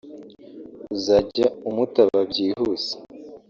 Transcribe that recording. uzajya umutaba byihuse